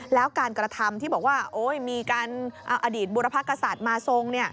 แล้วการกระทำที่บอกว่ามีการอดีตบุรพกษัตริย์มาทรง